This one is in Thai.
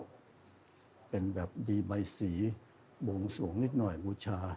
ทำออกแบบดีใบศีรษฐ์โบงสูงนิดหน่อยหวุชชา